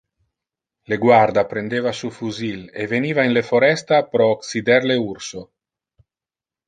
Le guarda prendeva su fusil e veniva in le foresta pro occider le urso.